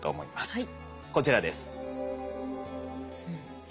はい。